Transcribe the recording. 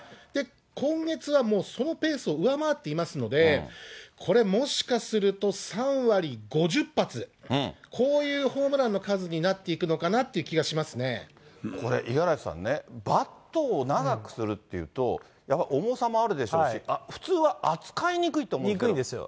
今月はもうそのペースを上回っていますので、これ、もしかすると、３割５０発、こういうホームランの数になっていくのかなっていうこれ、五十嵐さんね、バットを長くするっていうと、やっぱり重さもあるでしょうし、にくいんですよ。